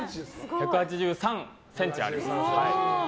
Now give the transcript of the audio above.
１８３ｃｍあります。